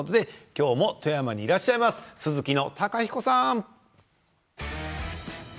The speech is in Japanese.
今日も富山にいらっしゃいます鈴木の貴彦さん。